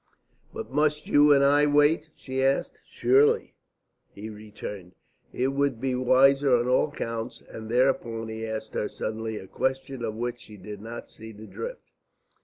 "But must you and I wait?" she asked. "Surely," he returned. "It would be wiser on all counts." And thereupon he asked her suddenly a question of which she did not see the drift.